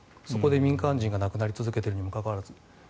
そこで民間人が亡くなり続けているにもかかわらず。